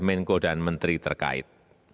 menko dan menteri terkait